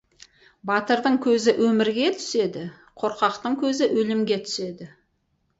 Батырдың көзі өмірге түседі, қорқақтың көзі өлімге түседі.